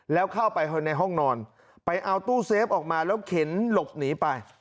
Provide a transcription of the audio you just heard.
แล้วเข้าไปในห้องนอนไปเอาตู้เซฟออกมาแล้วเข็นหลบหนีไป